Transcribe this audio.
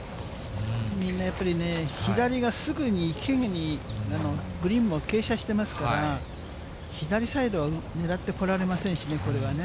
みんなやっぱりね、左がすぐに池にグリーンも傾斜してますから、左サイドを狙ってこられませんしね、これはね。